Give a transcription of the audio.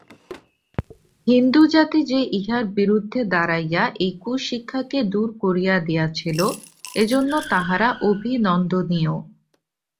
হিন্দুজাতি যে ইহার বিরুদ্ধে দাঁড়াইয়া এই কুশিক্ষাকে দূর করিয়া দিয়াছিল, এজন্য তাহারা অভিনন্দনীয়।